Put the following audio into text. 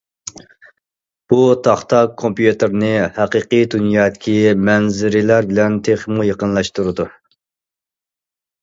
بۇ تاختا كومپيۇتېرنى ھەقىقىي دۇنيادىكى مەنزىرىلەر بىلەن تېخىمۇ يېقىنلاشتۇرىدۇ.